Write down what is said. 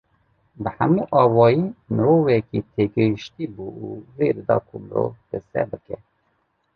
Bi hemû awayî mirovekî têgihiştî bû û rê dida ku mirov qise bike